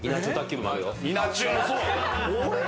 『稲中』もそう。